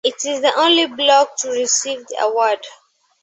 It is the only blog to receive the award.